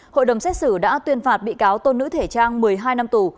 hội đồng xét xử đã tuyên phạt bị cáo tôn nữ thể trang một mươi hai năm tù